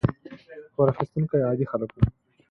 پور اخیستونکي عادي خلک وو.